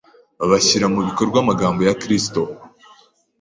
bashyira mu bikorwa amagambo ya Kristo!